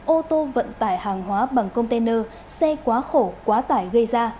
ô tô vận tải hàng hóa bằng container xe quá khổ quá tải gây ra